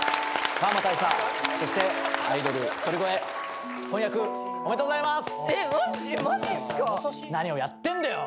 パーマ大佐そしてアイドル鳥越婚約おめでとうございます！